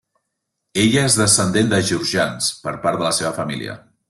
Ella és descendent de georgians per part de la seva família.